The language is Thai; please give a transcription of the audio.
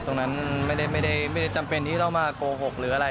ตรงนั้นไม่ได้จำเป็นที่ต้องมาโกหกหรืออะไร